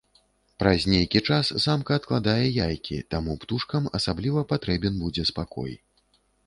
Праз нейкі час самка адкладзе яйкі, таму птушкам асабліва патрэбен будзе спакой.